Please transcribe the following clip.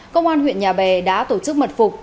công an huyện nhà bè đã tổ chức mật phục